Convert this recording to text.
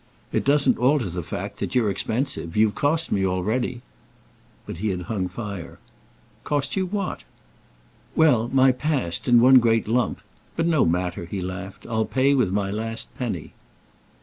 "It doesn't alter the fact that you're expensive. You've cost me already—!" But he had hung fire. "Cost you what?" "Well, my past—in one great lump. But no matter," he laughed: "I'll pay with my last penny."